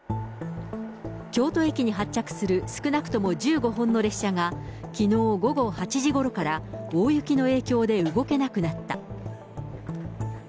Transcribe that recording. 京都駅に発着する、少なくとも１５本の列車が、きのう午後８時ごろから大雪の影響で動けなくなった。